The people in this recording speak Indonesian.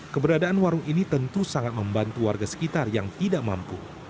keberadaan warung ini tentu sangat membantu warga sekitar yang tidak mampu